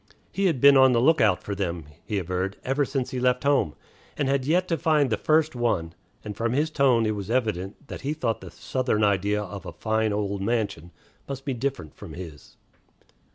He had been on the lookout for them, he averred, ever since he left home, and had yet to find the first one; and from his tone it was evident that he thought the Southern idea of a "fine old mansion" must be different from his.